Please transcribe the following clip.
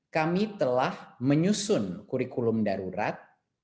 kami telah menyusun kurikulum darurat